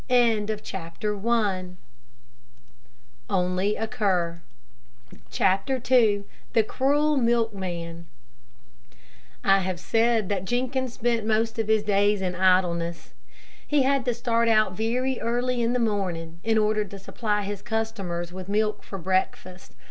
CHAPTER II THE CRUEL MILKMAN I have said that Jenkins spent most of his days in idleness. He had to start out very early in the morning, in order to supply his customers with milk for breakfast.